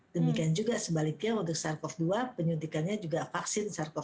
demikian juga sebaliknya untuk sars cov dua penyuntikannya juga vaksin sars cov